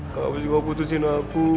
kau bisa putusin aku